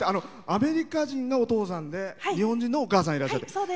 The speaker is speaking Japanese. アメリカ人のお父さんで日本人のお母さんがいらっしゃる。